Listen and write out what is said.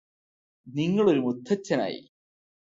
നിങ്ങളൊരു മുത്തച്ഛനായി